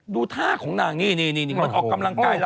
ดูท่าของนางนี่มันออกกำลังกายแล้ว